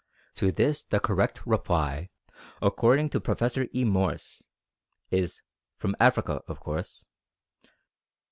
To this the correct reply, according to Professor E. Morse, is "From Africa, of course."